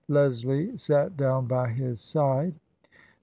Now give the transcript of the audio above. Leslie sat down by his side.